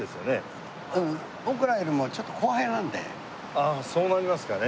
ああそうなりますかね。